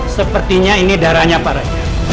sepertinya ini darahnya parah